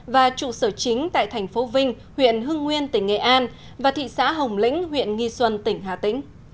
và trụ sở chính tại thành phố vinh huyện hưng nguyên tỉnh nghệ an và thị xã hồng lĩnh huyện nghi xuân tỉnh hà tĩnh